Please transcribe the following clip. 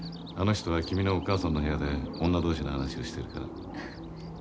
あの人は君のお母さんの部屋で女同士の話をしてるから。